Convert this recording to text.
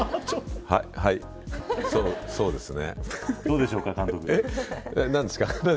はい、そうですね。